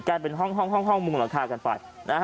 เป็นห้องมุงหลังคากันไป